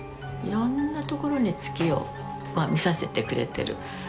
いろんなところに月を見させてくれてる。